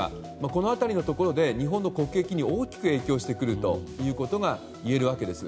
この辺りのところで日本の国益に大きく影響してくるということが言えるわけです。